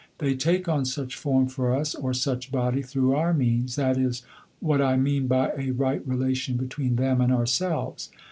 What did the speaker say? They take on such form for us or such body through our means; that is what I mean by a right relation between them and ourselves.